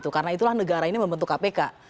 karena itulah negara ini membentuk kpk